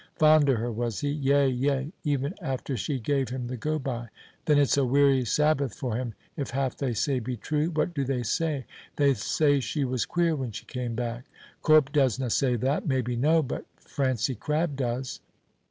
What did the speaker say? Fond o' her, was he? Yea, yea, even after she gave him the go by. Then it's a weary Sabbath for him, if half they say be true. What do they say? They say she was queer when she came back. Corp doesna say that. Maybe no; but Francie Crabb does.